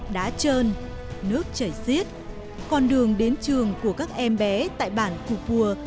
đá trơn nước chảy xiết con đường đến trường của các em bé tại bản cù pua